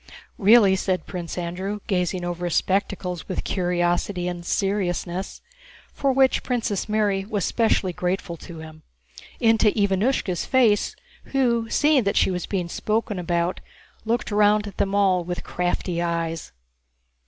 "Really?" said Pierre, gazing over his spectacles with curiosity and seriousness (for which Princess Mary was specially grateful to him) into Ivánushka's face, who, seeing that she was being spoken about, looked round at them all with crafty eyes.